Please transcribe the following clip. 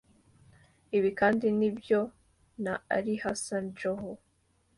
Ibi kandi nibyo na Ali Hassan Joho